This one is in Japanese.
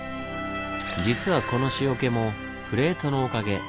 実はこの塩気もプレートのおかげ。